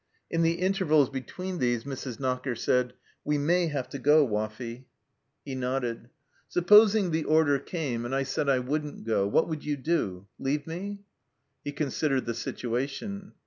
In the intervals between these Mrs. Knocker said, " We may have to go, Woffy." He nodded. " Supposing the order came, and I said I wouldn't go, what would you do ? Leave me ?" He considered the situation.